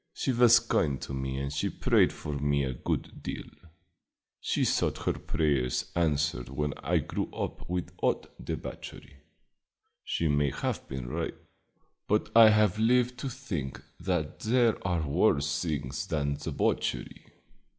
She was kind to me and she prayed for me a good deal. She thought her prayers answered when I grew up without debauchery. She may have been right; but I have lived to think that there are worse things than debauchery."